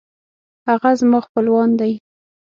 هغه زما خپلوان دی